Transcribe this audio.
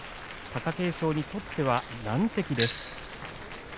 貴景勝にとっては難敵です。